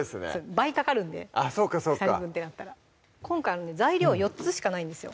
倍かかるんで２人分ってなったらそうかそうか今回材料４つしかないんですよ